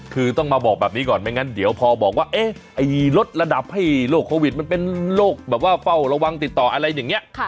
คือต้องมาบอกแบบนี้ก่อนไม่งั้นเดี๋ยวพอบอกว่าลดระดับให้โรคโควิดมันเป็นโรคแบบว่าเฝ้าระวังติดต่ออะไรอย่างนี้